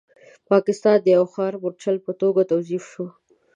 پاکستان د یو ښکاره مورچل په توګه توظیف شو.